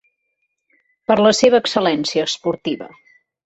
Per la seva excel·lència esportiva.